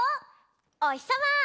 「おひさま」。